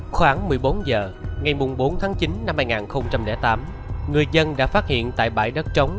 khoảng một mươi bốn h ngày bốn tháng chín năm hai nghìn tám người dân đã phát hiện tại bãi đất trống